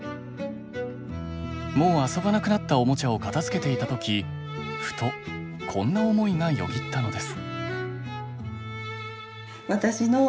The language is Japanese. もう遊ばなくなったおもちゃを片づけていた時ふとこんな思いがよぎったのです。